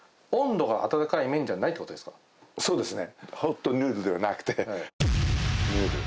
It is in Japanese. そうですね。